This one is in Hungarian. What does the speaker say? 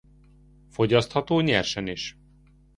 Fogyasztható nyersen is.